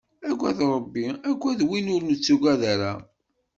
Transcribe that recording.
Agad Ṛebbi akked win ur nettagad ara.